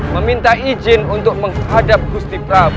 meminta izin untuk menghadap gusti prabowo